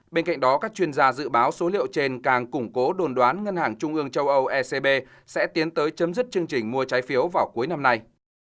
bên cạnh đó các chuyên gia dự báo số liệu trên càng củng cố đồn đoán ngân hàng trung ương châu âu ecb sẽ tiến tới chấm dứt chương trình mua trái phiếu vào cuối năm nay